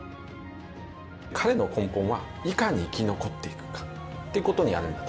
彼の根本はいかに生き残っていくかってことにあるんだと思いますね。